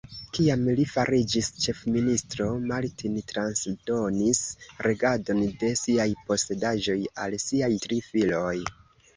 Kiam li fariĝis ĉefministro, Martin transdonis regadon de siaj posedaĵoj al siaj tri filoj.